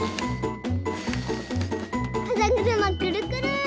かざぐるまくるくる！